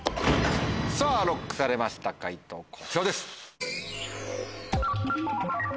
ＬＯＣＫされました解答こちらです。